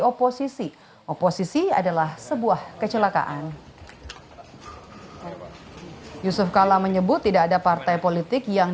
oposisi oposisi adalah sebuah kecelakaan yusuf kala menyebut tidak ada partai politik yang